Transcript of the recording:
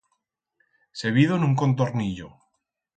Se vido en un contornillo!